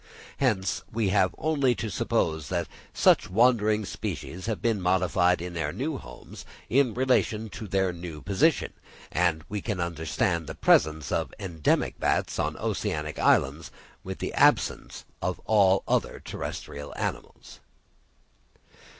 Hence, we have only to suppose that such wandering species have been modified in their new homes in relation to their new position, and we can understand the presence of endemic bats on oceanic islands, with the absence of all other terrestrial mammals.